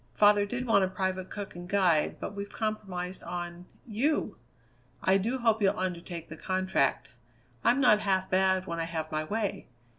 Father did want a private cook and guide, but we've compromised on you! I do hope you'll undertake the contract. I'm not half bad when I have my way.